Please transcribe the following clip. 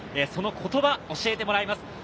その言葉、教えてもらいます。